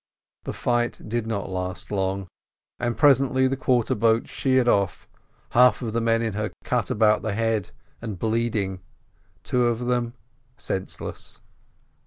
The fight did not last long, and presently the quarter boat sheered off, half of the men in her cut about the head and bleeding—two of them senseless.